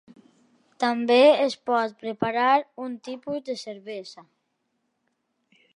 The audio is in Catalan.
També es pot preparar un tipus de cervesa.